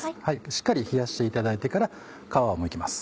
しっかり冷やしていただいてから殻をむきます。